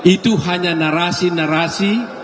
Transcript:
itu hanya narasi narasi